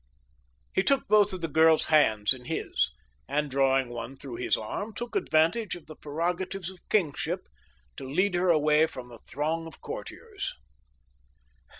He took both of the girl's hands in his, and, drawing one through his arm, took advantage of the prerogatives of kingship to lead her away from the throng of courtiers.